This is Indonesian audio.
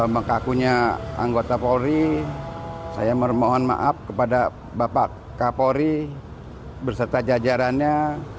mengkakunya anggota polri saya memohon maaf kepada bapak kapolri berserta jajarannya